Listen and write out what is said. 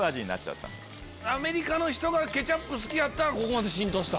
アメリカの人がケチャップ好きやったから浸透した。